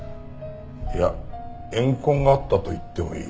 いや怨恨があったと言ってもいい。